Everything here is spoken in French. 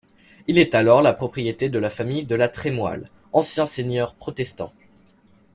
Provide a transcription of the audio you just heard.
Il est alors la propriété de la famille de la Trémoille, anciens seigneurs protestants.